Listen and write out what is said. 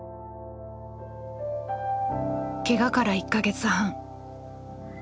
ケガから１か月半。